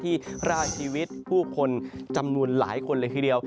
ร่างชีวิตผู้คนจำนวนหลายคนเลยทีเดียว